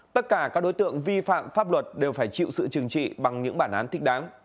tất cả các đối tượng vi phạm pháp luật đều phải chịu sự trừng trị bằng những bản án thích đáng